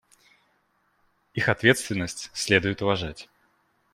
Их ответственность следует уважать.